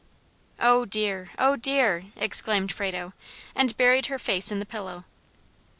"Oh dear! oh dear!" exclaimed Frado, and buried her face in the pillow.